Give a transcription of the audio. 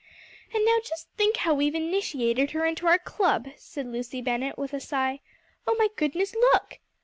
"And now, just think how we've initiated her into our club!" said Lucy Bennett, with a sigh. "Oh my goodness look!"